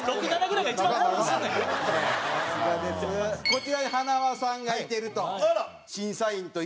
こちらに塙さんがいてると。